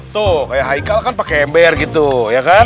tuh kayak haikal kan pakai ember gitu ya kan